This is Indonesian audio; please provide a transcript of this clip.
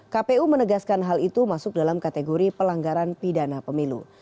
kpu menegaskan hal itu masuk dalam kategori pelanggaran pidana pemilu